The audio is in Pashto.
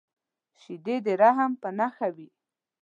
شیدې د رحم په نښه وي